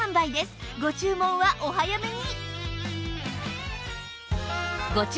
ご注文はお早めに！